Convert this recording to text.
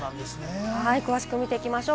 詳しくみていきましょう。